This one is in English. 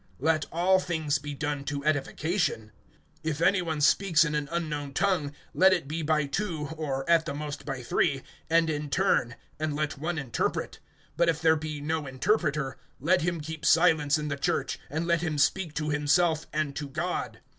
Let all things be done to edification. (27)If any one speaks in an unknown tongue, let it be by two, or at the most by three, and in turn; and let one interpret. (28)But if there be no interpreter, let him keep silence in the church; and let him speak to himself, and to God.